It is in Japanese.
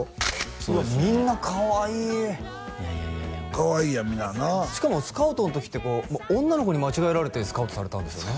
そうですねみんなかわいいかわいいやんみんななあしかもスカウトの時って女の子に間違えられてスカウトされたんですね